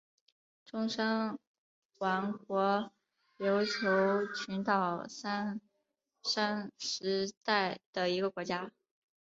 中山王国琉球群岛三山时代的一个国家。